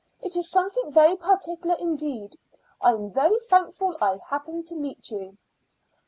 It is something very particular indeed. I am very thankful I happened to meet you."